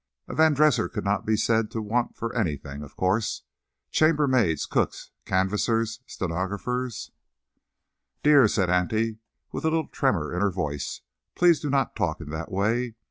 A Van Dresser could not be said to 'want' for anything, of course. 'Chamber maids, cooks, canvassers, stenographers—'" "Dear," said Aunt Ellen, with a little tremor in her voice, "please do not talk in that way.